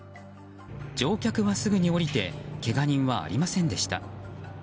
乗客はすぐに降りてけが人はありませんでした。